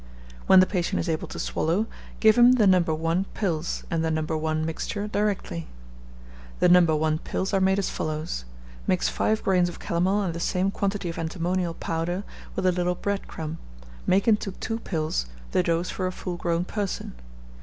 When the patient is able to swallow, give him the No. 1 pills, and the No. 1 mixture directly. [The No. 1 pills are made as follows: Mix 5 grains of calomel and the same quantity of antimonial powder with a little bread crumb: make into two pills, the dose for a full grown person.